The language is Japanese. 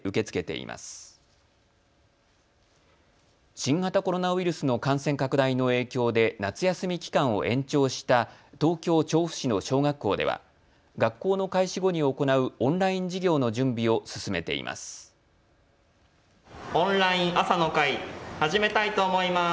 新型コロナウイルスの感染拡大の影響で夏休み期間を延長した東京調布市の小学校では学校の開始後に行うオンライン授業の準備を進めています。